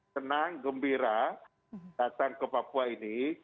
senang gembira datang ke papua ini